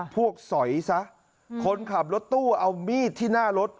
สอยซะคนขับรถตู้เอามีดที่หน้ารถ